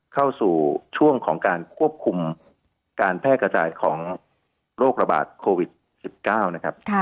เข้าสู่ช่วงของการควบคุมการแพร่กระจายของโรคระบาดโควิด๑๙นะครับ